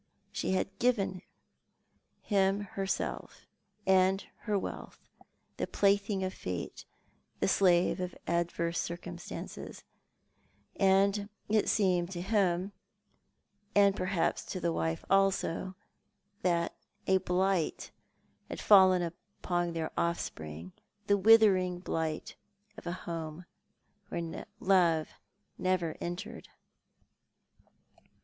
She had given him herself and her wealth, the play thing of Fate, the slave of adverse circumstances ; and it seemed to him, and perhaps to the wife also, that a blight had fallen npon their offspring, the withering blight of a home where love had never entered.